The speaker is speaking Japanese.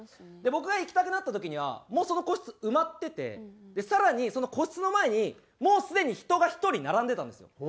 僕が行きたくなった時にはもうその個室埋まってて更にその個室の前にもうすでに人が１人並んでたんですよ。